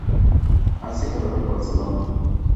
Hace calor en Barcelona.